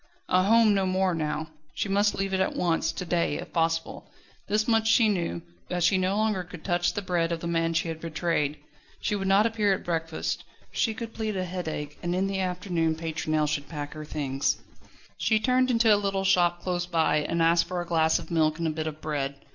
A home no more now; she must leave it at once, to day if possible. This much she knew, that she no longer could touch the bread of the man she had betrayed. She would not appear at breakfast, she could plead a headache, and in the afternoon Pétronelle should pack her things. She turned into a little shop close by, and asked for a glass of milk and a bit of bread.